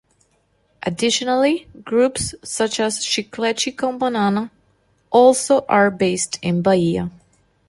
Additionally, groups such as Chiclete com Banana also are based in Bahia.